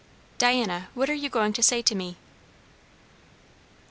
"Diana, what are you going to say to me?"